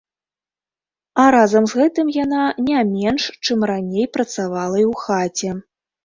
А разам з гэтым яна не менш, чым раней, працавала і ў хаце.